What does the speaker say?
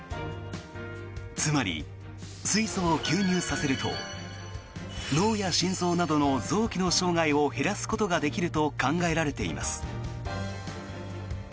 つまり、水素を吸入させると脳や心臓などの臓器の傷害を減らすことができると考えられています。